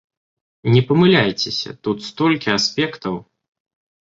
Не памыляйцеся, тут столькі аспектаў.